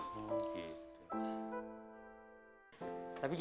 tapi jangan berantem berantem mak